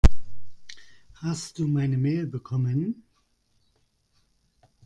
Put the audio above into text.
Hast du meine Mail bekommen?